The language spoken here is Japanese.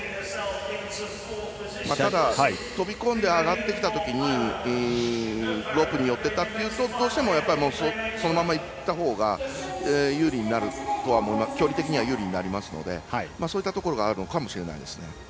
ただ、飛び込んで上がってきたときにロープに寄っていたというとどうしてもそのままいったほうが距離的には有利になりますのでそういったところがあるのかもしれません。